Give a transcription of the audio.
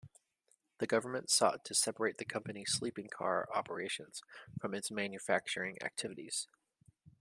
The government sought to separate the company's sleeping car operations from its manufacturing activities.